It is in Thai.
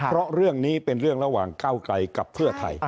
เพราะเรื่องนี้เป็นเรื่องระหว่างเก้าไกลกับเพื่อไทย